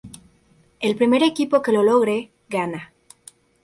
El primer equipo que lo logre, gana.